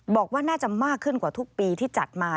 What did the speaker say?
บอกว่าน่าจะมากขึ้นกว่าทุกปีที่จัดมา